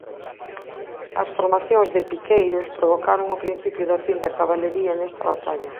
As formacións de piqueiros provocaron o principio da fin da cabalería nesta batalla.